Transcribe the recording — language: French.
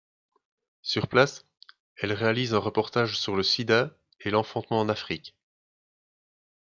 Sur place, elle réalise un reportage sur le sida et l’enfantement en Afrique.